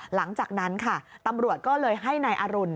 หลังจากนั้นค่ะตำรวจก็เลยให้นายอรุณ